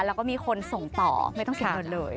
แล้วก็มีคนส่งต่อไม่ต้องเสียเงินเลย